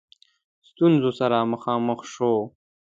ستونزو سره مخامخ شو.